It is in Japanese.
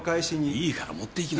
いいから持っていきなさい。